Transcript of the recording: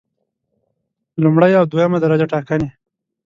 لومړی او دویمه درجه ټاکنې